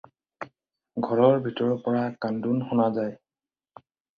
ঘৰৰ ভিতৰৰ পৰা কান্দোন শুনা যায়।